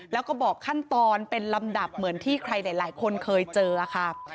แล้วก็บอกขั้นตอนเป็นลำดับเหมือนที่ใครหลายคนเคยเจอค่ะ